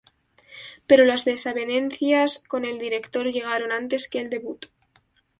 Pero las desavenencias con el director llegaron antes que el debut.